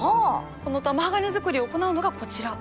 その玉鋼づくりを行うのがこちら。